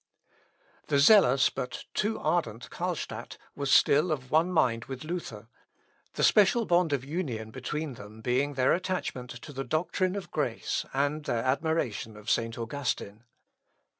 ] The zealous but too ardent Carlstadt was still of one mind with Luther the special bond of union between them being their attachment to the doctrine of grace, and their admiration of St. Augustine.